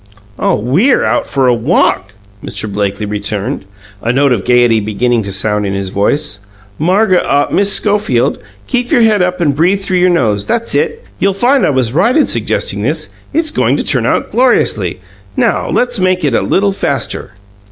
"Oh, WE'RE out for a WALK!" Mr. Blakely returned, a note of gayety beginning to sound in his voice. "Marg ah Miss Schofield, keep your head up and breathe through your nose. That's it! You'll find I was right in suggesting this. It's going to turn out gloriously! Now, let's make it a little faster."